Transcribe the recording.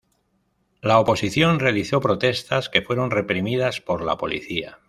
La oposición realizó protestas que fueron reprimidas por la policía.